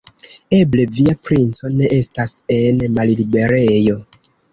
Eble, via princo ne estas en malliberejo.